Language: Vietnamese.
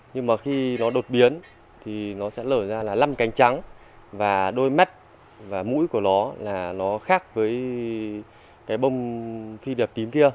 nhưng mà khi nó đột biến thì nó sẽ lở ra là lăn cánh trắng và đôi mắt và mũi của nó là nó khác với cái bông khi điệp tím kia